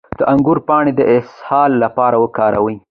د انګور پاڼې د اسهال لپاره وکاروئ